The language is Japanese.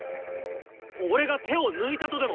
俺が手を抜いたとでも。